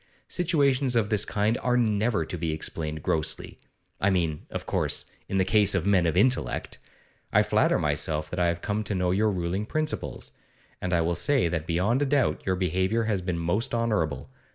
Situations of this kind are never to be explained grossly; I mean, of course, in the case of men of intellect. I flatter myself that I have come to know your ruling principles; and I will say that beyond a doubt your behaviour has been most honourable.